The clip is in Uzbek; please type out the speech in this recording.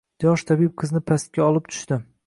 yosh tabib qizni pastga olib tushdi